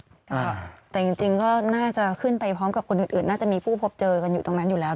แต่จริงก็น่าจะขึ้นไปพร้อมกับคนอื่นน่าจะมีผู้พบเจอกันอยู่ตรงนั้นอยู่แล้ว